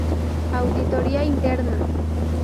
Auditoría Interna.